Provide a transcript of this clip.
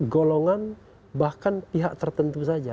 golongan bahkan pihak tertentu saja